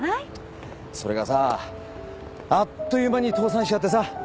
それがさあっという間に倒産しちゃってさ。